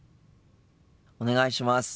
お願いします。